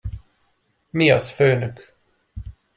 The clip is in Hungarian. Mi az, főnök?